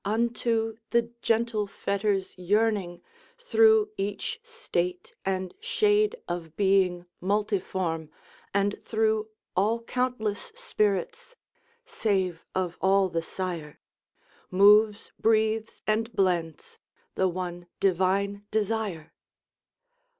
Unto The gentle fetters yearning, through each state And shade of being multiform, and through All countless spirits (save of all the sire) Moves, breathes, and blends, the one divine desire.